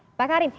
oke pak karim